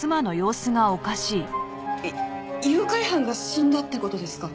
誘拐犯が死んだって事ですか？